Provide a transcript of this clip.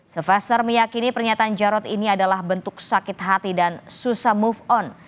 sevester meyakini pernyataan jarod ini adalah bentuk sakit hati dan susah move on